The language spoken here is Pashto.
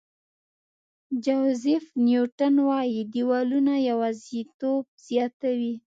جوزیف نیوټن وایي دیوالونه یوازېتوب زیاتوي.